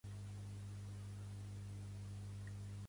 Pel que he pogut comprovar, heu centrat els vostres estudis en el català